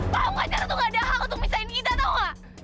pak aku kacau itu tidak ada hak untuk memisahkan kita tahu tidak